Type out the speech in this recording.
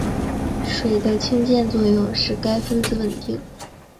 水的氢键作用使该分子稳定。